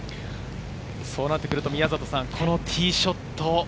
そうなってくると、このティーショット。